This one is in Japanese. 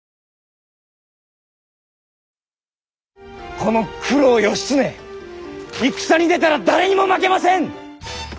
この九郎義経戦に出たら誰にも負けません！